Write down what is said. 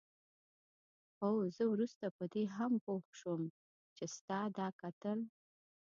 هو زه وروسته په دې هم پوه شوم چې ستا دا کتل.